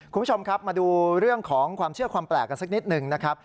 คุณผู้ชมครับมาดูเรื่องของความเชื่อความแปลกกันสักนิดหนึ่งนะครับ